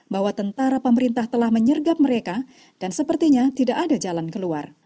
bahwa tentara pemerintah telah menyergap mereka dan sepertinya tidak ada jalan keluar